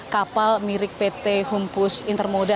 kapal mirip pt humpus intermoda